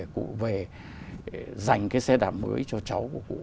cụ về dành cái xe đạp mới cho cháu của cụ